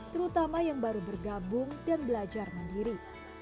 terutama yang baru bergabung dan belajar mandiri